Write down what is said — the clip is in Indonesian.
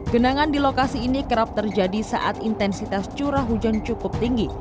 genangan di lokasi ini kerap terjadi saat intensitas curah hujan cukup tinggi